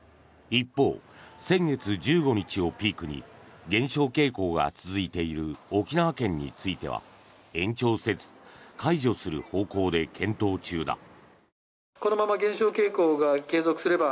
一方、先月１５日をピークに減少傾向が続いている沖縄県については延長せず解除する方向で検討中だ。